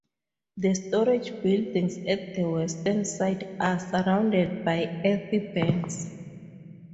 The storage buildings at the western site are surrounded by earth banks.